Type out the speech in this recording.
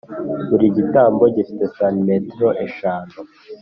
Buri gitambaro gifite santimetero eshanu